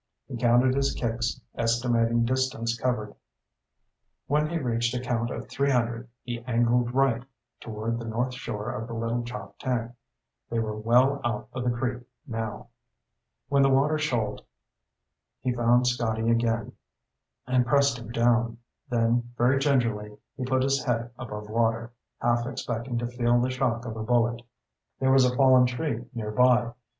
He counted his kicks, estimating distance covered. When he reached a count of three hundred he angled right, toward the north shore of the Little Choptank. They were well out of the creek now. When the water shoaled, he found Scotty again and pressed him down; then, very gingerly, he put his head above water, half expecting to feel the shock of a bullet. There was a fallen tree nearby.